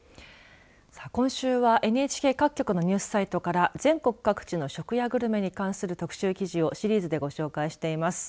今週はＮＨＫ各局のニュースサイトから全国各地の食やグルメに関する特集記事をシリーズでご紹介しています。